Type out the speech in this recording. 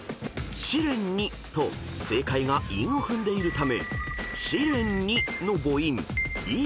［「試練に」と正解が韻を踏んでいるため「試練に」の母音